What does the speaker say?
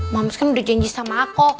moms kan udah janji sama aku